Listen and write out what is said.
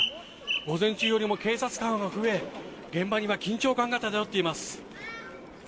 午前中よりも警察官が増え現場には緊張感が漂っています。